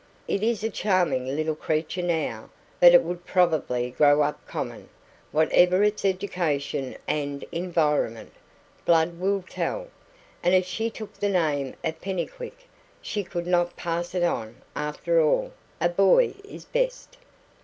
"It is a charming little creature now, but it would probably grow up common, whatever its education and environment. Blood will tell. And if she took the name of Pennycuick, she could not pass it on. After all, a boy is best."